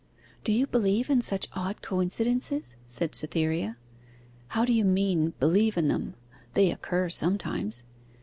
'Do you believe in such odd coincidences?' said Cytherea. 'How do you mean, believe in them? They occur sometimes.